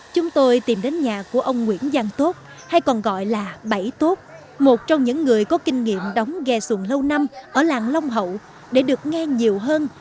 chúng tôi tìm đến nhà của ông nguyễn giang tốt hay còn gọi là bảy tốt một trong những người có kinh nghiệm đóng ghe xuồng lâu năm ở làng long hậu để được nghe nhiều hơn